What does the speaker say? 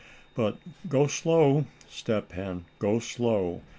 But go slow, Step Hen, go slow.